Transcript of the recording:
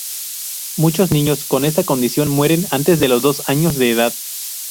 Muchos niños con esta condición mueren antes de los dos años de edad.